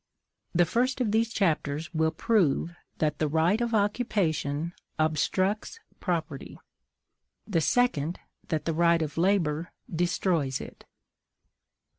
The first of these chapters will prove that the right of occupation OBSTRUCTS property; the second that the right of labor DESTROYS it.